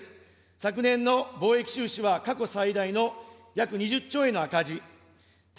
昨年の貿易収支は過去最大の約２０兆円の赤字。